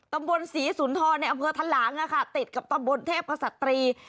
ตำบลศรีสุนทรในอำเภอทะหลางติดกับตำบลเทพกษัตรี